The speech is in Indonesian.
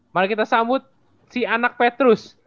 mari kita sambut si anak petrus